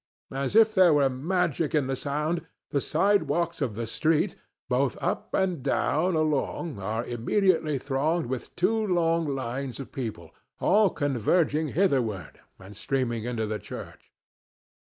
As if there were magic in the sound, the sidewalks of the street, both up and down along, are immediately thronged with two long lines of people, all converging hitherward and streaming into the church.